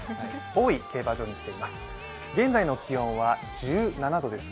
大井競馬場に来ています。